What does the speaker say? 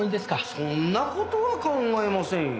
そんな事は考えませんよ。